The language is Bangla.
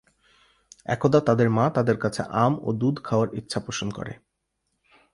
একদা তাদের মা তাদের কাছে আম ও দুধ খাওয়ার ইচ্ছা পোষণ করে।